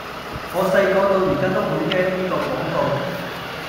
我細個到而家都好驚呢個廣告